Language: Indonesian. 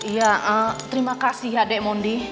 iya terima kasih ya dek mondi